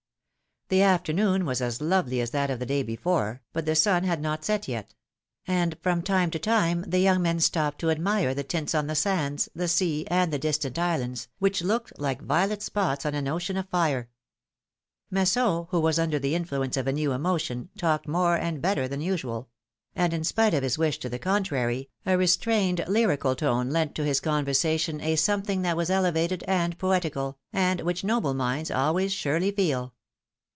The afternoon was as lovely as that of the day before, but^the sun had not yet set; and from time to time the young men stopped to admire the tints on the sands, the sea, and the distant islands, M^hich looked like violet spots on an ocean of fire. Masson, who was under the influence of a new emotion, talked more and better than usual ; and in spite of his wish to the contrary, a re strained lyrical tone lent to his conversation a something that was elevated and poetical, and which noble minds always surely feel.